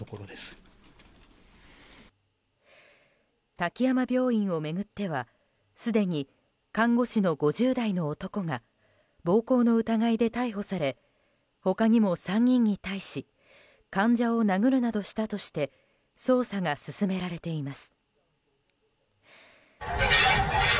滝山病院を巡ってはすでに看護師の５０代の男が暴行の疑いで逮捕され他にも３人に対し患者を殴るなどしたとして捜査が進められています。